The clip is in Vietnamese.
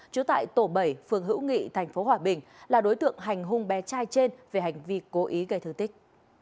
bảy mươi tám chú tại tổ bảy phường hữu nghị tp hòa bình là đối tượng hành hung bé trai trên về hành vi cố ý gây thư tích